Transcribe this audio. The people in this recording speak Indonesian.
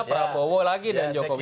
prabowo lagi dan jokowi